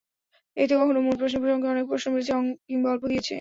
এতে কখনো মূল প্রশ্নের সঙ্গে অনেক প্রশ্ন মিলেছে কিংবা অল্প মিলেছে।